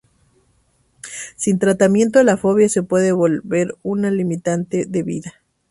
Sin tratamiento la fobia se puede volver una limitante de vida.